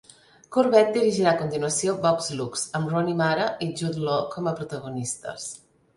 Corbet dirigirà a continuació "Vox Lux", amb Rooney Mara i Jude Law com a protagonistes.